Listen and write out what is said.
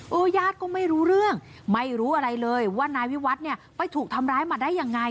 ญาติก็ไม่รู้เรื่องไม่รู้อะไรเลยว่านายวิวัฒน์เนี่ยไปถูกทำร้ายมาได้ยังไง